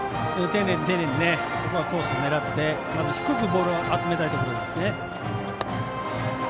丁寧に、丁寧にここはコースを狙って低くボールを集めたいところですね。